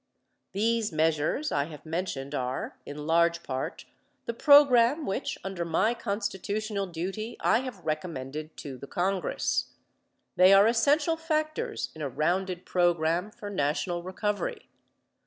These measures I have mentioned are, in large part, the program which under my constitutional duty I have recommended to the Congress. They are essential factors in a rounded program for national recovery.